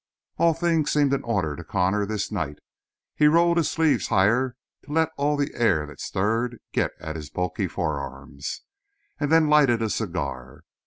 All things seemed in order to Connor, this night. He rolled his sleeves higher to let all the air that stirred get at his bulky forearms, and then lighted a cigar.